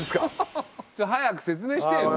早く説明してよ。